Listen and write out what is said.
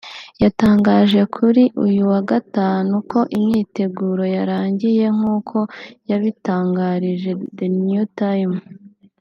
yatangaje kuri uyu wa Gatatu ko imyiteguro yarangiye nk’uko yabitangarije The New Times